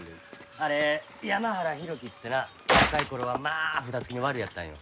あれ山原浩喜っつってな若い頃はまあ札付きのワルやったんよ。